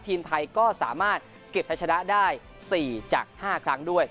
ทีมไทยก็สามารถเก็บให้ชนะได้๔จาก๕ครั้งด้วย